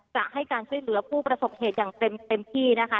จะให้การช่วยเหลือผู้ประสบเหตุอย่างเต็มที่นะคะ